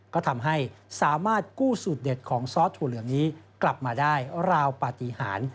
ก็ทำให้สามารถกู้สูตรเด็ดของซอสถั่วเหลืองนี้กลับมาได้ราวปฏิหาร